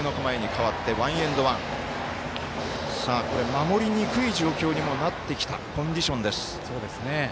守りにくい状況にもなってきたコンディションです。